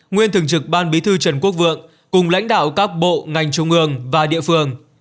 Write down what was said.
nguyên thường trực ban bí thư trần quốc vượng cùng lãnh đạo các bộ ngành trung ương và địa phương